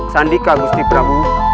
sandika gusti prabu